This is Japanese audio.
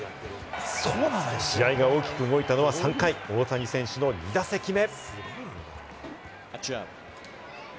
試合が大きく動いたのは３回、大谷選手の２打席目。